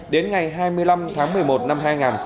đến ngày hai mươi năm tháng một mươi một năm hai nghìn hai mươi